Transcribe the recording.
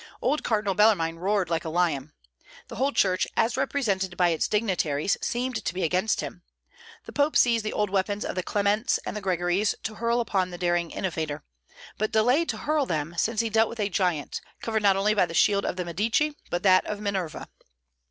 Old Cardinal Bellarmine roared like a lion. The whole Church, as represented by its dignitaries, seemed to be against him. The Pope seized the old weapons of the Clements and the Gregories to hurl upon the daring innovator; but delayed to hurl them, since he dealt with a giant, covered not only by the shield of the Medici, but that of Minerva.